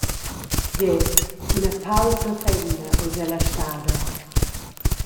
Gie, ina paupra femna eis ella stada.